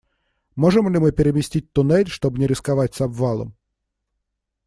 Можем ли мы переместить туннель, чтобы не рисковать с обвалом?